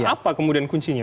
apa kemudian kuncinya